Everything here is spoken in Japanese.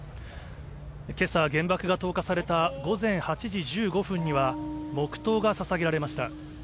けさ、原爆が投下された午前８時１５分には、黙とうがささげられました。